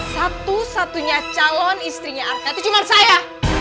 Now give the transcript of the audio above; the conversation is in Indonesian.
satu satunya calon istrinya arte itu cuma saya